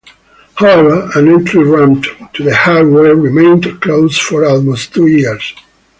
However, an entry ramp to the highway remained closed for almost two years.